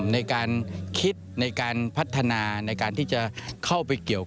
ในการคิดในการพัฒนาในการที่จะเข้าไปเกี่ยว